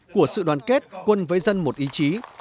của sự đoàn kết quân với dân một ý chí